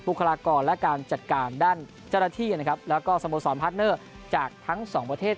คลากรและการจัดการด้านเจ้าหน้าที่นะครับแล้วก็สโมสรพาร์ทเนอร์จากทั้งสองประเทศ